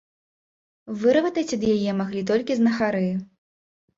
Выратаваць ад яе маглі толькі знахары.